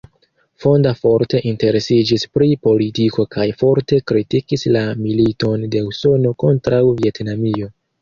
Fonda forte interesiĝis pri politiko kaj forte kritikis la militon de Usono kontraŭ Vjetnamio.